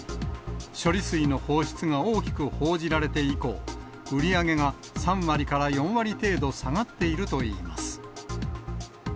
処理水の放出が大きく報じられて以降、売り上げが３割から４割程度下がっているといいます。